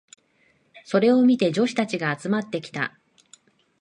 それを見て女子たちが集まってきた。